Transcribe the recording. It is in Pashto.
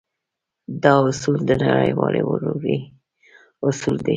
دا اصول د نړيوالې ورورۍ اصول دی.